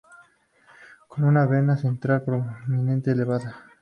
Con una vena central prominente elevada.